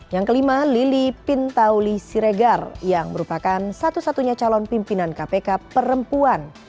yang kelima lili pintauli siregar yang merupakan satu satunya calon pimpinan kpk perempuan